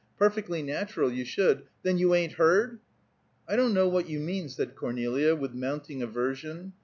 Perfectly natural you should! Then you ain't heard?" "I don't know what you mean," said Cornelia, with mounting aversion.